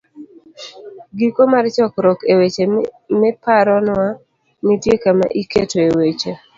ii- Giko mar chokruok E weche miparonwa, nitie kama iketoe weche